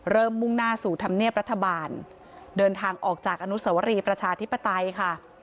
มุ่งหน้าสู่ธรรมเนียบรัฐบาลเดินทางออกจากอนุสวรีประชาธิปไตยค่ะ